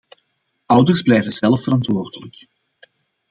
Ouders blijven zelf verantwoordelijk.